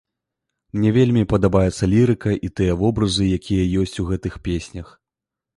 Мне вельмі падабаецца лірыка і тыя вобразы, якія ёсць у гэтых песнях.